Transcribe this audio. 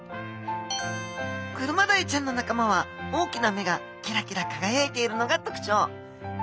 クルマダイちゃんの仲間は大きな目がキラキラ輝いているのが特徴。